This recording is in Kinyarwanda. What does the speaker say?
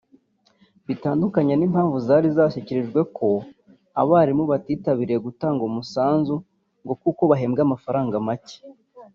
bitandukanye n’impuha zari zakwijwe ko abarimu batitabiriye gutanga umusanzu ngo kuko bahembwa amafaranga make